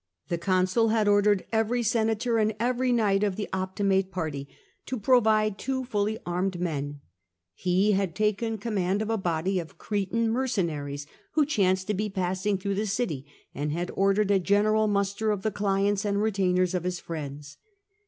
The consul had ordered every senator and every knight of the Optimate party to provide two fully armed men ; he had taken command of a body of Cretan mercenaries who chanced to be passing through the city, and had ordered a general muster of the cKents and retainers of his friends.